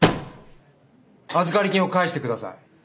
預かり金を返してください。